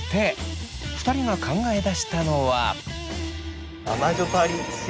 ２人が考えだしたのは。